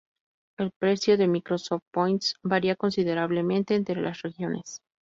El precio de Microsoft Points varía considerablemente entre las regiones.